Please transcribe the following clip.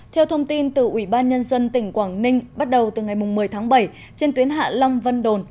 theo thông tin từ ủy ban nhân dân tỉnh quảng ninh bắt đầu từ ngày một mươi tháng bảy trên tuyến hạ long vân đồn